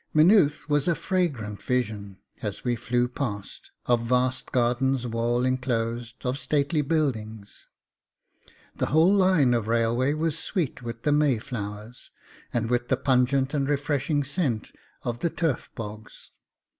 Maynooth was a fragrant vision as we flew past, of vast gardens wall enclosed, of stately buildings. The whole line of railway was sweet with the May flowers, and with the pungent and refreshing scent of the turf bogs.